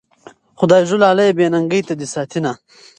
خدايږو لالیه بې ننګۍ ته دي ساتينه